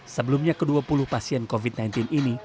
sebelumnya ke dua puluh pasien covid sembilan belas ini